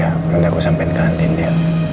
ya perintahku sampai ke andin dia